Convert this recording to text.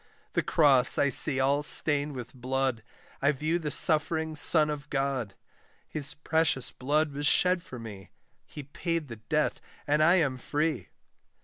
The cross I see all stained with blood, I view the suffering Son of God; His precious blood was shed for me, He paid the debt, and I am free!